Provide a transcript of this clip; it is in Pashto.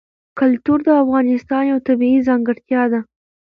کلتور د افغانستان یوه طبیعي ځانګړتیا ده.